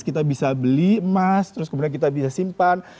kita bisa beli emas terus kemudian kita bisa simpan